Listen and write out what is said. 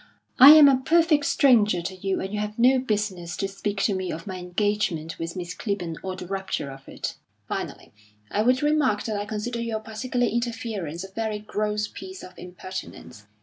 I am a perfect stranger to you, and you have no business to speak to me of my engagement with Miss Clibborn or the rupture of it. Finally, I would remark that I consider your particular interference a very gross piece of impertinence.